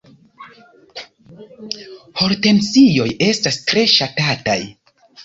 Hortensioj estas tre ŝatataj.